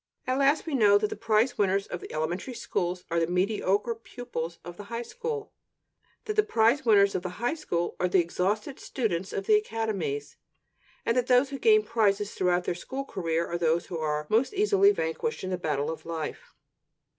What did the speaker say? At last we all know that the prize winners of the elementary schools are the mediocre pupils of the high school; that the prize winners of the high school are the exhausted students of the academies; and that those who gain prizes throughout their school career are those who are most easily vanquished in the battle of life.